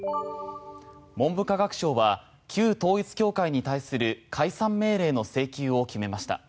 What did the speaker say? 文部科学省は旧統一教会に対する解散命令の請求を決めました。